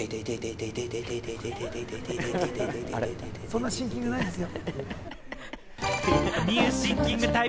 そんなシンキングないですよ。